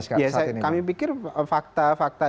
sekarang saat ini kami pikir fakta fakta